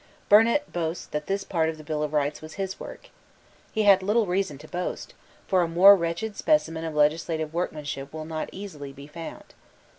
Burnet boasts that this part of the Bill of Rights was his work. He had little reason to boast: for a more wretched specimen of legislative workmanship will not easily be found.